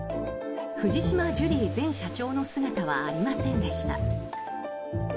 藤島ジュリー前社長の姿はありませんでした。